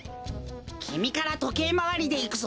きみからとけいまわりでいくぞ！